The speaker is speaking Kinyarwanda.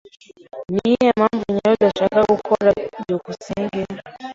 Niyihe mpamvu nyayo udashaka gukora? byukusenge